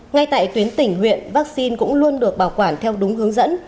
ngay tại tuyến tỉnh huyện vaccine cũng luôn được bảo quản theo đúng hướng dẫn